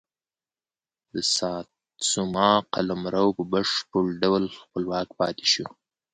د ساتسوما قلمرو په بشپړ ډول خپلواک پاتې شو.